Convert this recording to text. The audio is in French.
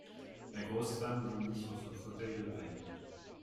La grosse femme bondit sur son fauteuil de paille.